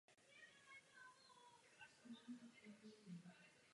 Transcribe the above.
Chceme lépe vidět, lépe chápat a lépe jednat.